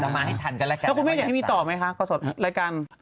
แล้วคุณแม่อยากให้มีต่อไหมคะกฎสอดรายการ